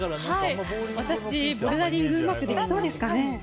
私、ボルダリングうまくできそうですかね。